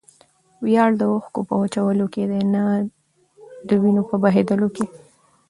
ویاړ د اوښکو په وچولو کښي دئ؛ نه دوینو په بهېودلو کښي.